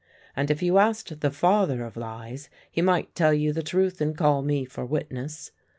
And if you asked the Father of Lies he might tell you the truth and call me for witness.